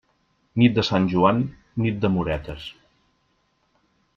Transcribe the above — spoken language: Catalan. Nit de Sant Joan, nit d'amoretes.